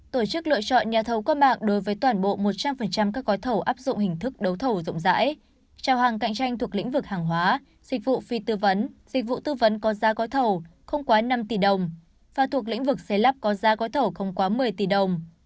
tổ chức lựa chọn nhà thầu có mạng đối với toàn bộ một trăm linh các gói thầu áp dụng hình thức đấu thầu rộng rãi trao hàng cạnh tranh thuộc lĩnh vực hàng hóa dịch vụ phi tư vấn dịch vụ tư vấn có giá gói thầu không quá năm tỷ đồng và thuộc lĩnh vực xây lắp có giá gói thầu không quá một mươi tỷ đồng